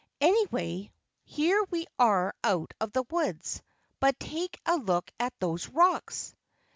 "Anyway, here we are out of the woods, but take a look at those rocks!"